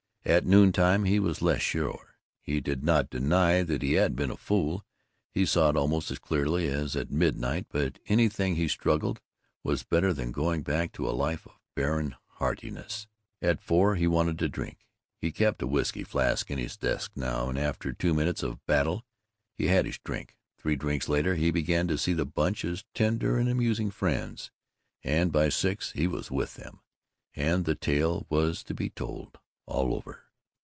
At noontime he was less sure. He did not deny that he had been a fool; he saw it almost as clearly as at midnight; but anything, he struggled, was better than going back to a life of barren heartiness. At four he wanted a drink. He kept a whisky flask in his desk now, and after two minutes of battle he had his drink. Three drinks later he began to see the Bunch as tender and amusing friends, and by six he was with them... and the tale was to be told all over.